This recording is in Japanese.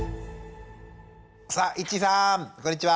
さあいっちーさんこんにちは！